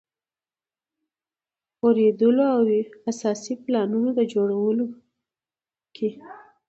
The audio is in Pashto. اوریدلو او اساسي پلانونو د جوړولو کې.